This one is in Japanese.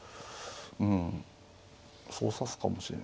うんそう指すかもしれんな。